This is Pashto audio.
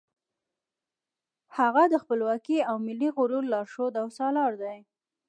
هغه د خپلواکۍ او ملي غرور لارښود او سالار دی.